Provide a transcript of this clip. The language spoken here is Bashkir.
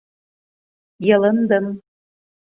Йылындым.